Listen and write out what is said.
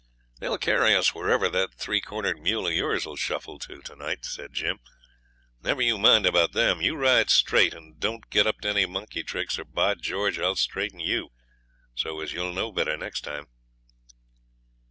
'They'll carry us wherever that three cornered mule of yours will shuffle to to night,' said Jim. 'Never you mind about them. You ride straight, and don't get up to any monkey tricks, or, by George, I'll straighten you, so as you'll know better next time.'